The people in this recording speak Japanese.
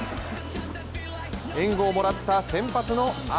援護をもらった先発の東。